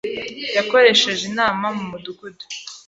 yakoresheje inama mu Mudugudu